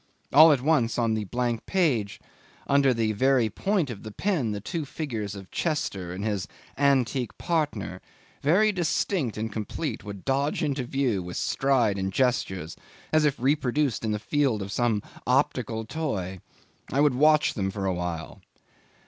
All at once, on the blank page, under the very point of the pen, the two figures of Chester and his antique partner, very distinct and complete, would dodge into view with stride and gestures, as if reproduced in the field of some optical toy. I would watch them for a while.